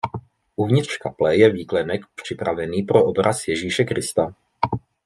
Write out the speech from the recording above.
Uvnitř kaple je výklenek připravený pro obraz Ježíše Krista.